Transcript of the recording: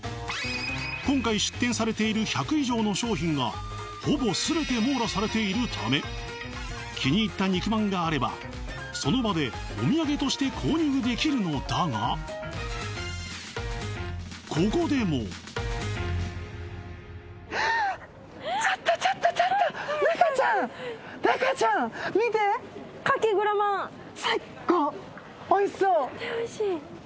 今回出展されている１００以上の商品がほぼすべて網羅されているため気に入った肉まんがあればその場でお土産として購入できるのだがここでもなかちゃんなかちゃんおいしそう絶対おいしい